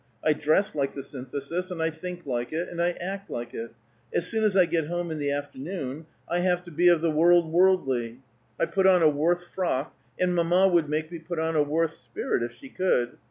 I dress like the Synthesis, and I think like it, and I act like it. As soon as I get home in the afternoon, I have to be of the world worldly. I put on a Worth frock, and mamma would make me put on a Worth spirit, if she could.